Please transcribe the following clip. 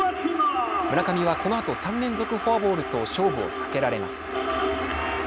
村上はこのあと３連続フォアボールと勝負を避けられます。